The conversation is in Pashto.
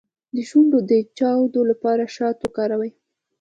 د شونډو د چاودیدو لپاره شات وکاروئ